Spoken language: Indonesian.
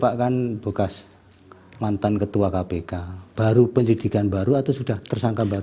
pak kan bekas mantan ketua kpk baru penyelidikan baru atau sudah tersangka baru